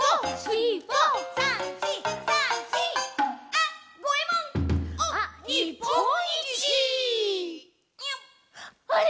「あれ？